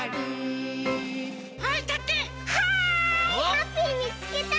ハッピーみつけた！